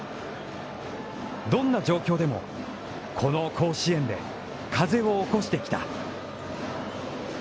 どんな状況でも、この甲子園で風を起こしてきた。